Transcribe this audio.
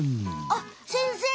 あっ先生！